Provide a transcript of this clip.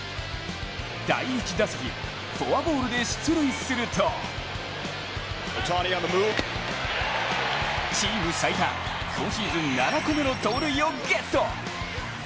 第１打席、フォアボールで出塁するとチーム最多今シーズン７個目の盗塁をゲット。